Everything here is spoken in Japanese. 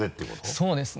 そうですね。